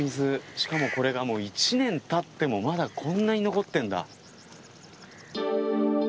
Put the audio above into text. しかもこれが、１年たってもまだこんなに残ってるんだ。